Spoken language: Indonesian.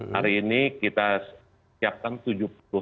hari ini kita siapkan tujuh puluh tempat tidur